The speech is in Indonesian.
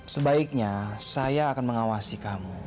sebaiknya saya akan mengawasi kamu